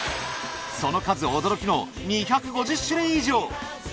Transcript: その数驚きの２５０種類以上！